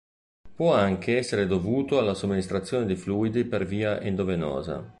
Può anche essere dovuto alla somministrazione di fluidi per via endovenosa.